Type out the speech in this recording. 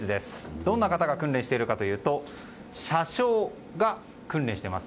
どんな方が訓練しているのかというと車掌が訓練しています。